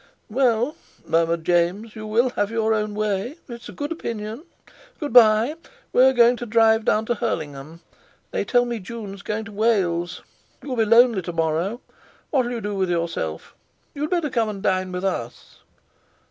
"Well," murmured James, "you will have your own way—it's a good opinion. Good bye! We're going to drive down to Hurlingham. They tell me Jun's going to Wales. You'll be lonely tomorrow. What'll you do with yourself? You'd better come and dine with us!"